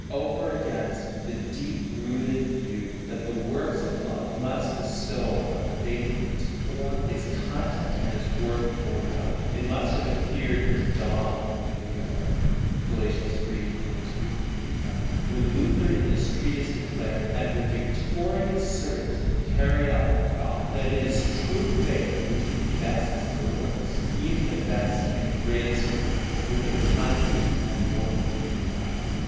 Over against the deep rooted view that the works of love must bestow upon faith its form, its content and its worth before God, it must have appeared as the dawn of a new era (Galatians 3:22 25) when Luther in this treatise declared, and with victorious certainty carried out the thought, that it is true faith which invests the works, even the best and greatest of works, with their content and worth before God.